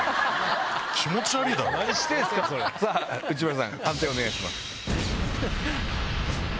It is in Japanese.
内村さん判定をお願いします。